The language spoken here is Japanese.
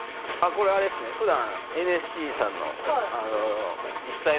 これはあれですね普段。